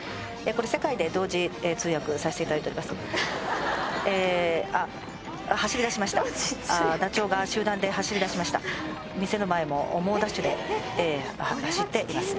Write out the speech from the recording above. これ世界で同時通訳させていただいておりますええあっ走りだしましたダチョウが集団で走りだしました店の前も猛ダッシュでええ走っています